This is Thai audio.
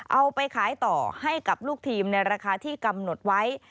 เอาไปขายต่อให้กับลูกทีมในราคาที่กำหนดไว้